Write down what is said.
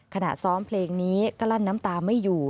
ซ้อมเพลงนี้ก็ลั้นน้ำตาไม่อยู่